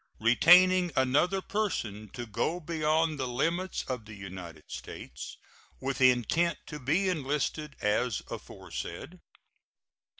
Retaining another person to go beyond the limits of the United States with intent to be enlisted as aforesaid.